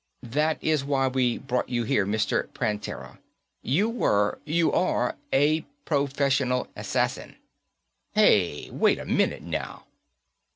"That is why we brought you here, Mr. Prantera. You were ... you are, a professional assassin." "Hey, wait a minute, now."